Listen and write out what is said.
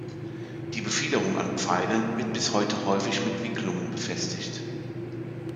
Die Befiederung an Pfeilen wird bis heute häufig mit Wicklungen befestigt.